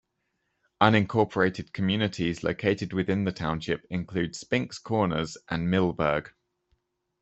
Unincorporated communities located within the township include Spinks Corners and Millburg.